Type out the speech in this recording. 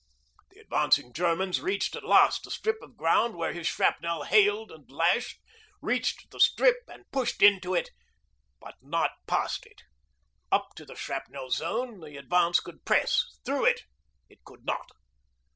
The advancing Germans reached at last the strip of ground where his shrapnel hailed and lashed, reached the strip and pushed into it but not past it. Up to the shrapnel zone the advance could press; through, it could not.